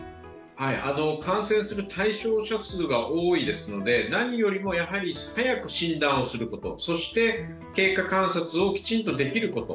感染する対象者数が多いですので、何よりも早く診断をすること、そして、経過観察をきちんとできること。